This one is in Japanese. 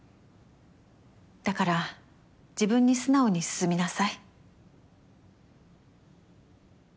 だから自分に素直に進みなさい。